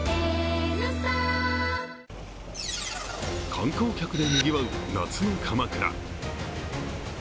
観光客でにぎわう夏の鎌倉。